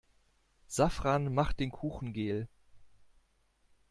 Safran macht den Kuchen gel.